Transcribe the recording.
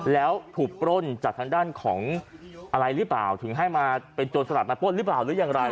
แล้วถูกปล้นจากทางด้านของอะไรหรือเปล่าถึงให้มาเป็นโจรสลัดมาปล้นหรือเปล่าหรือยังไร